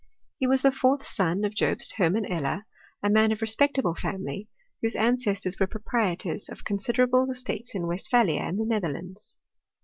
He was the fourth son of Jobst Hermann Eller, a man of a respectable family, whose ancestors were proprietors of consider able estates in Westphalia and the Netherlands.